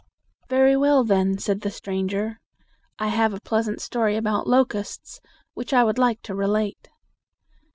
"Very well, then," said the stran ger. "I have a pleasant story about locusts which I would like to relate."